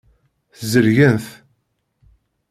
Szelgen-t.